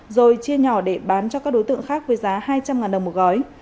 rồi chia nhỏ để bán cho các đối tượng khác với giá hai trăm linh đồng một gói